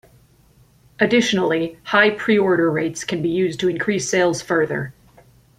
Additionally, high pre-order rates can be used to increase sales further.